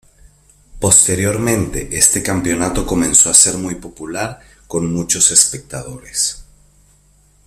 Posteriormente este campeonato comenzó a ser muy popular, con muchos espectadores.